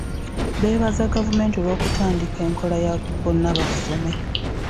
Beebaza gavumenti olw'okutandika enkola ya bonna basome.